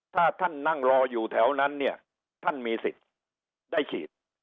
ถ้าท่านนั่งรออยู่แถวนั้นเนี่ยท่านมีสิทธิ์ได้ฉีด